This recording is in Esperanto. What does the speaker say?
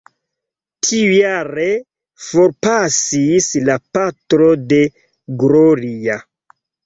Tiujare, forpasis la patro de Gloria.